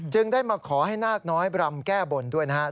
ได้มาขอให้นาคน้อยบรำแก้บนด้วยนะครับ